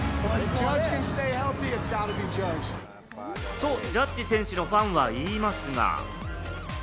と、ジャッジ選手のファンは言いますが。